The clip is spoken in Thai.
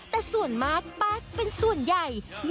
แต่ส่วนมากปั๊กเป็นส่วนใหญ่